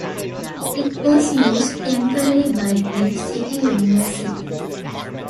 It was used temporarily by the City University.